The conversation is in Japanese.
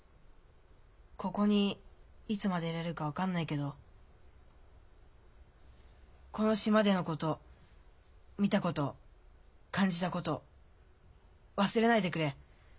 ここにいつまでいられるか分からないけどこの島でのこと見たこと感じたこと忘れないでくれ。